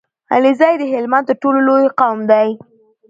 عليزی د هلمند تر ټولو لوی قوم دی